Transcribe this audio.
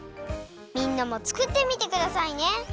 みんなもつくってみてくださいね。